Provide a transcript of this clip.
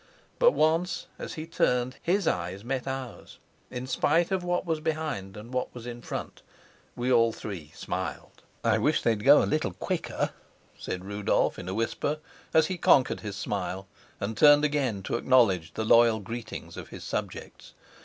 But once, as he turned, his eyes met ours. In spite of what was behind and what was in front, we all three smiled. "I wish they'd go a little quicker," said Rudolf in a whisper, as he conquered his smile and turned again to acknowledge the loyal greetings of his subjects.